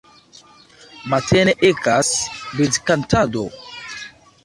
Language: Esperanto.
Matene ekas birdkantado.